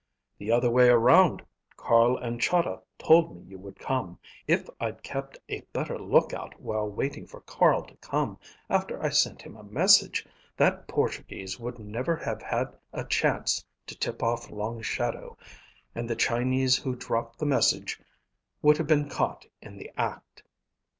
"The other way around. Carl and Chahda told me you would come. If I'd kept a better lookout while waiting for Carl to come after I sent him a message, that Portuguese would never have had a chance to tip off Long Shadow, and the Chinese who dropped the message would have been caught in the act."